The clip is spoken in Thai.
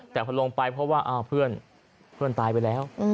แต่พอลงไปเพราะว่าเพื่อนตายไปแล้ว